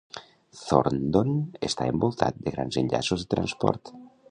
Thorndon està envoltat de grans enllaços de transport.